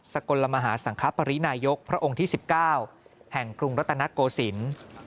กลมหาสังคปรินายกพระองค์ที่๑๙แห่งกรุงรัตนโกศิลป์